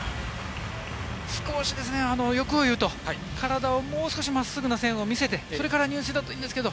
少し欲を言うと体をもう少し真っすぐな線を見せてそれから入水だといいんですけど。